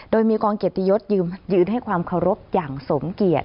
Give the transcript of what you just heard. โดยมีกองเกียรติยศยืนให้ความเคารพอย่างสมเกียจ